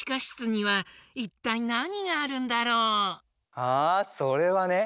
あそれはね